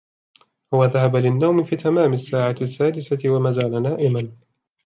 هو ذهب للنوم في تمام الساعة السادسة ومازال نائماً.